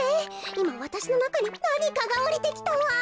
いまわたしのなかになにかがおりてきたわ！